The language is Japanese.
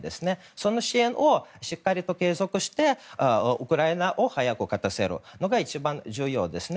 その支援をしっかりと継続してウクライナを早く勝たせるのが一番重要ですね。